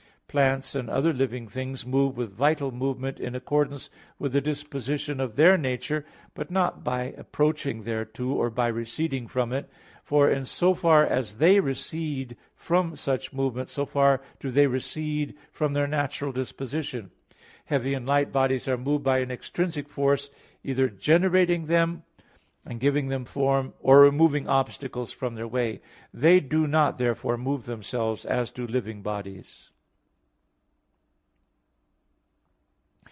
Plants and other living things move with vital movement, in accordance with the disposition of their nature, but not by approaching thereto, or by receding from it, for in so far as they recede from such movement, so far do they recede from their natural disposition. Heavy and light bodies are moved by an extrinsic force, either generating them and giving them form, or removing obstacles from their way. They do not therefore move themselves, as do living bodies.